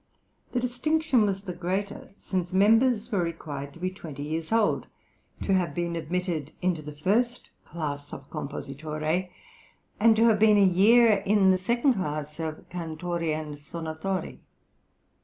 The distinction was the greater since members were required to be twenty years old, to have been admitted into the first class of compositore, and to have been a year in the second class of cantori and sonatori.